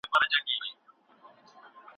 موږ نه غواړو چې کلتور مو هېر سي.